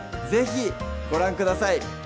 是非ご覧ください